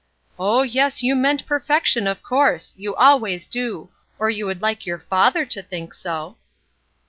''Oh, yes, you meant perfection, of course; you always do, or you would hke your father to think so."